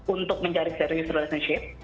untuk mencari serius relationship